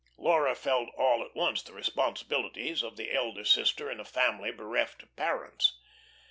Laura felt all at once the responsibilities of the elder sister in a family bereft of parents.